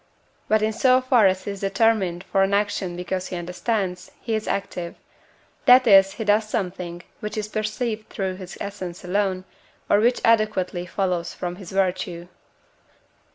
But, in so far as he is determined for an action because he understands, he is active; that is, he does something, which is perceived through his essence alone, or which adequately follows from his virtue.